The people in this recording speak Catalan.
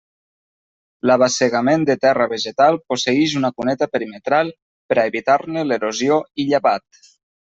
L'abassegament de terra vegetal posseïx una cuneta perimetral per a evitar-ne l'erosió i llavat.